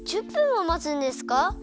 １０分もまつんですか？